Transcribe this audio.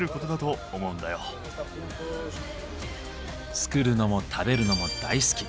作るのも食べるのも大好き。